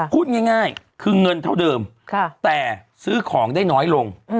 พูดง่ายคือเงินเท่าเดิมแต่ซื้อของได้น้อยลง